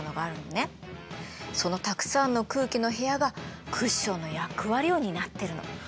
そのたくさんの空気の部屋がクッションの役割を担ってるの。